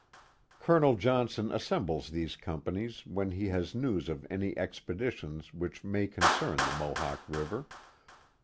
Colonel Johnson assembles these companies when he has nevt of any expedition which may concern the Mohawk River.